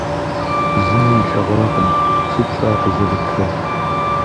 Зыми илъэгъуакъым. Сыт щӀа къызэрытрэ!